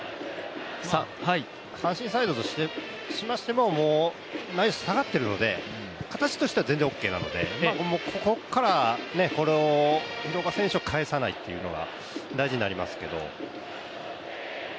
阪神サイドとしましても、下がってるので形としては全然オーケーなので、ここから廣岡選手を帰さないっていうのが大事になりますけども。